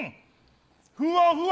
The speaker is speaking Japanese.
ふわふわ！